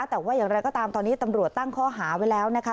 แต่ว่าอย่างไรก็ตามตอนนี้ตำรวจตั้งข้อหาไว้แล้วนะคะ